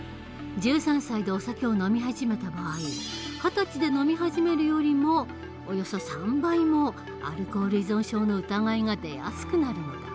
１３歳でお酒を飲み始めた場合二十歳で飲み始めるよりもおよそ３倍もアルコール依存症の疑いが出やすくなるのだ。